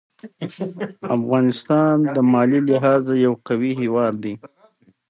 د پردیو ننګیالیو په جهان کې په پښتو ژبه.